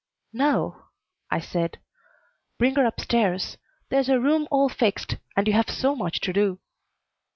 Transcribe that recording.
"No," I said. "Bring her up stairs. There's a room all fixed, and you have so much to do."